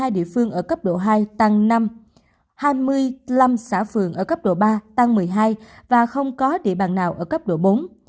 một mươi địa phương ở cấp độ hai tăng năm hai mươi năm xã phường ở cấp độ ba tăng một mươi hai và không có địa bàn nào ở cấp độ bốn